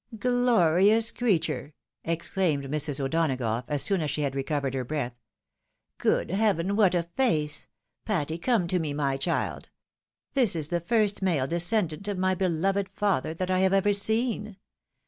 " Glorious creature !" exclaimed Mrs. O'Donagough, as Boon as she had recovered her breath. " Good heaven, what a face ! Patty, con* to me, my child. This is the first male descendant of riiy beloved father that I have ever seen.